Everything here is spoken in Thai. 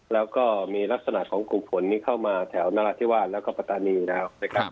แล้วก็มีลักษณะของกลุ่มฝนนี้เข้ามาแถวนราธิวาสแล้วก็ปัตตานีอยู่แล้วนะครับ